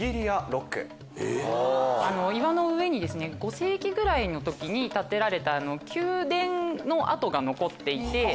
岩の上に５世紀ぐらいの時に建てられた宮殿の跡が残っていて。